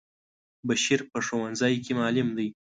بشیر په ښونځی کی معلم دی.